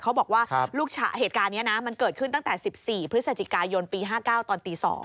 เขาบอกว่าเหตุการณ์นี้นะมันเกิดขึ้นตั้งแต่๑๔พฤศจิกายนปี๕๙ตอนตี๒